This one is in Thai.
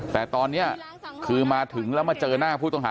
แต่ตอนนี้คือมาถึงแล้วมาเจอหน้าผู้ต้องหา